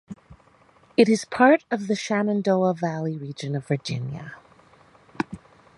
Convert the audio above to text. It is part of the Shenandoah Valley region of Virginia.